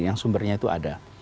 yang sumbernya itu ada